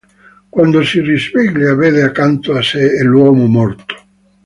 Quando si risveglia, vede accanto a sé l'uomo morto.